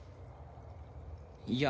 いや。